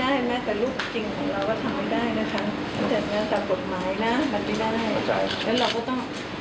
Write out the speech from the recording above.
จะได้รู้ว่าเป็นผู้ชายเขาหรือเปล่า